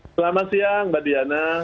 selamat siang mbak diana